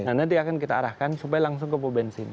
nah nanti akan kita arahkan supaya langsung ke pobensin